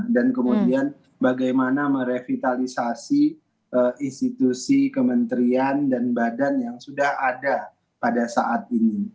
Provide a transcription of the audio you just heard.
dan kemudian bagaimana merevitalisasi institusi kementerian dan badan yang sudah ada pada saat ini